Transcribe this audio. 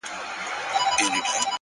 د کافي لوګی د سهار فضا نرموي،